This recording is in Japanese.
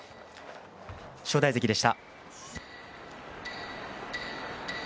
正代関でした。